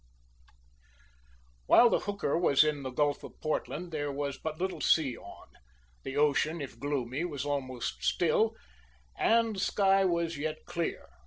While the hooker was in the gulf of Portland, there was but little sea on; the ocean, if gloomy, was almost still, and the sky was yet clear.